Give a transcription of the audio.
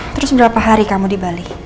terus berapa hari kamu di bali